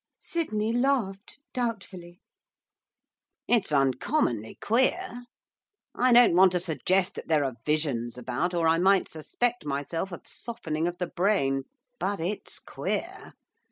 Sydney laughed, doubtfully. 'It's uncommonly queer. I don't want to suggest that there are visions about, or I might suspect myself of softening of the brain. But it's queer.